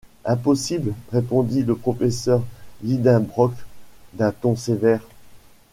Impossible ! répondit le professeur Lidenbrock d’un ton sévère.